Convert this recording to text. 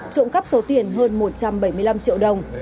trộm cắp số tiền hơn một trăm bảy mươi năm triệu đồng